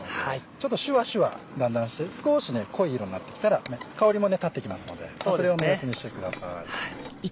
ちょっとシュワシュワだんだんして少し濃い色になってきたら香りも立ってきますのでそれを目安にしてください。